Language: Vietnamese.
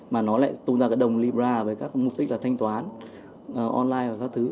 mà nó lại tung ra cái đồng libra với các mục đích là thanh toán online và các thứ